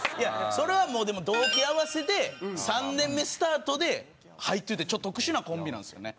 それはでも同期合わせで３年目スタートで入ってるっていうちょっと特殊なコンビなんですよね。